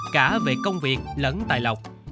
cả về công việc lẫn tài lọc